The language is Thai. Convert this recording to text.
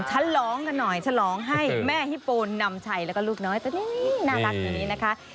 ฉลองกันหน่อยฉลองให้แม่ฮิโปนนำชัยแล้วก็ลูกน้อยตัวนี้น่ารักแบบนี้นะคะ